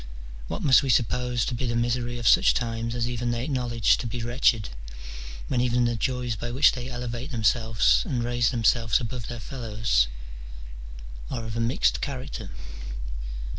What must we suppose to be the misery of such times as even they acknowledge to be wretched, when even the joys by which they elevate themselves and raise themselves above their fellows are of ^ Xerxes. 314 MINOR DULOGUES. [bK. X. a mixed character.